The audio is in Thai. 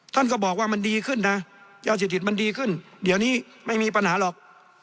ท่านก็บอกว่ามันดีขึ้นนะยาเสพติดมันดีขึ้นเดี๋ยวนี้ไม่มีปัญหาหรอก